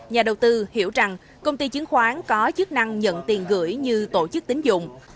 nhà đầu tư hiểu rằng công ty chứng khoán có chức năng nhận tiền gửi như tổ chức tín dụng